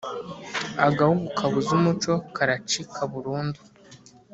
“agahugu kabuze umuco karacikaburundu